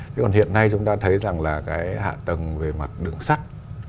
còn hiện nay chúng ta thấy rằng hạ tầng về mặt đường sắt